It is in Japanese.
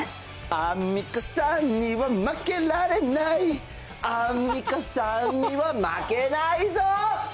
アンミカさんには負けられない、アンミカさんには負けないぞ。